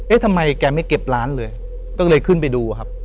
ทำไมแกไม่เก็บร้านเลยก็เลยขึ้นไปดูครับ